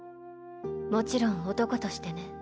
もちろん男としてね。